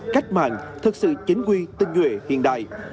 cách mạng thực sự chính quy tinh nguyện hiện đại